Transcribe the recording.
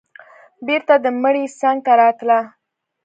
بېرته د مړي څنگ ته راتله.